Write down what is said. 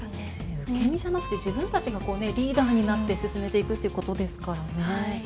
受け身じゃなくて自分たちがリーダーになって進めていくっていうことですからね。